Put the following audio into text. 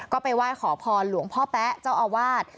ก็ไปไหว้ขอพรหลวงพ่อแป๊ะเจ้าอาวาส